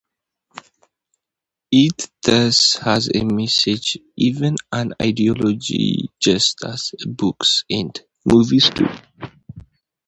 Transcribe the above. It thus has a message, even an "ideology," just as books and movies do.